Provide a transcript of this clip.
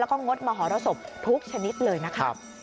แล้วก็งดมหรสบทุกชนิดเลยนะคะ